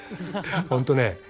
本当ね